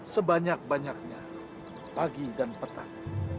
sebanyak banyaknya pagi dan petang